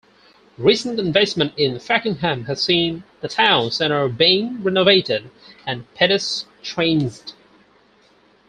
Recent investment in Fakenham has seen the town centre being renovated and pedestrianised.